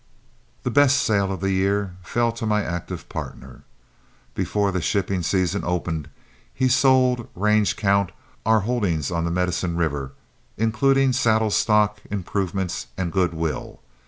The best sale of the year fell to my active partner. Before the shipping season opened, he sold, range count, our holdings on the Medicine River, including saddle stock, improvements, and good will.